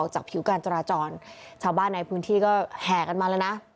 ผิวการจราจรชาวบ้านในพื้นที่ก็แห่กันมาแล้วนะ